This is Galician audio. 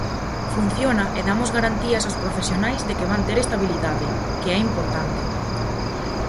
Funciona e damos garantías aos profesionais de que van ter estabilidade, que é importante.